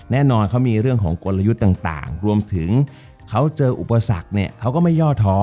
แน่นอนเขามีเรื่องของกลยุทธ์ต่างรวมถึงเขาเจออุปสรรคเนี่ยเขาก็ไม่ย่อท้อ